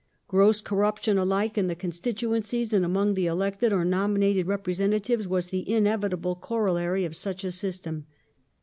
Gross corruption alike in the constituencies and among the elected or nominated representatives was the inevitable corollary of such a system.